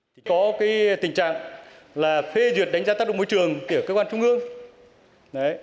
đặc biệt là phê duyệt đánh giá tác động môi trường ở cơ quan trung ương